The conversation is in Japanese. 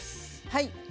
はい。